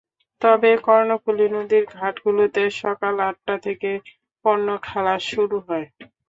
তবে কর্ণফুলী নদীর ঘাটগুলোতে সকাল আটটা থেকে পণ্য খালাস শুরু হয়।